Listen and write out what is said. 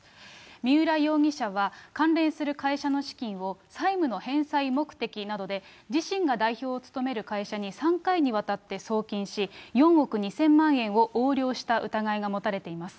三浦容疑者は、関連する会社の資金を債務の返済目的などで、自身が代表を務める会社に３回にわたって送金し、４億２０００万円を横領した疑いが持たれています。